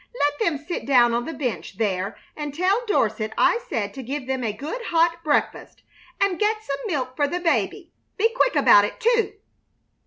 Let them sit down on the bench there and tell Dorset I said to give them a good hot breakfast, and get some milk for the baby. Be quick about it, too!"